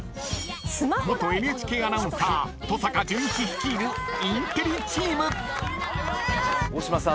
［元ＮＨＫアナウンサー登坂淳一率いるインテリチーム］